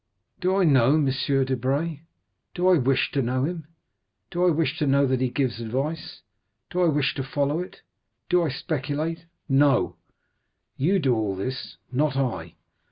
"Do I know M. Debray?—do I wish to know him?—do I wish to know that he gives advice?—do I wish to follow it?—do I speculate? No; you do all this, not I."